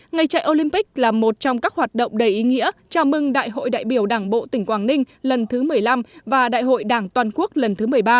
ngày chạy olympic là một trong các hoạt động đầy ý nghĩa chào mừng đại hội đại biểu đảng bộ tỉnh quảng ninh lần thứ một mươi năm và đại hội đảng toàn quốc lần thứ một mươi ba